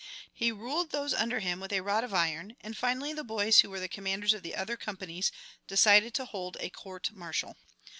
He ruled those under him with a rod of iron, and finally the boys who were the commanders of the other companies decided to hold a court martial.